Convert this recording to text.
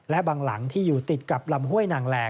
และบางหลังที่อยู่ติดกับลำห้วยนางแล